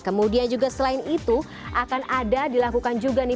kemudian juga selain itu akan ada dilakukan juga nih